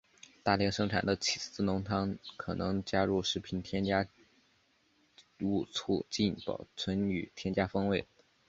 大量生产的起司浓汤可能加入了食品添加物促进保存与增添风味。